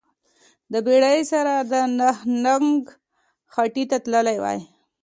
د بیړۍ سره د نهنګ خیټې ته تللی وای